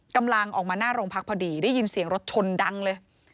กำลังออกมาหน้าโรงพักพอดีได้ยินเสียงรถชนดังเลย